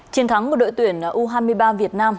chiến thắng một đội tuyển u hai mươi ba việt nam